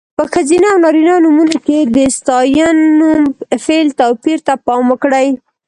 په ښځینه او نارینه نومونو کې د ستاینوم، فعل... توپیر ته پام وکړئ.